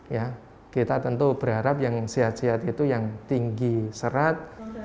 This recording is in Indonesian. ya kita tentu berharap yang sehat sehat itu yang tinggi serat